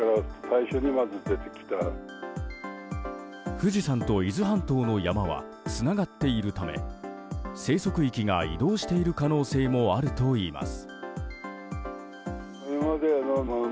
富士山と伊豆半島の山はつながっているため生息域が移動している可能性もあるといいます。